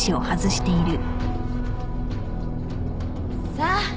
・さあ。